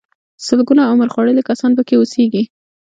سلګونه عمر خوړلي کسان پکې اوسيږي.